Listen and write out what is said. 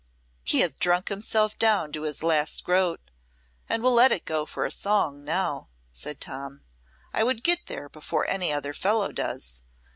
"He hath drunk himself down to his last groat, and will let it go for a song now," said Tom. "I would get there before any other fellow does.